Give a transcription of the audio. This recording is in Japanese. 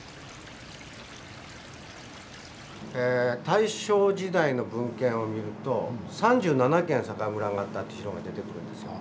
大正時代の文献を見ると３７軒酒蔵があったって資料が出てくるんですよ。